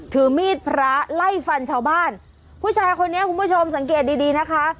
ถือมีดพระไล่ฟันชาวบ้านผู้ชายคนนี้คุณผู้ชมสังเกตดีดีนะคะ